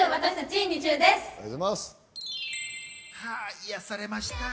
癒やされました。